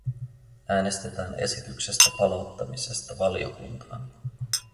Äänestetään esityksestä palauttamisesta valiokuntaan.